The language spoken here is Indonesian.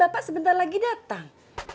bapak sebentar lagi datang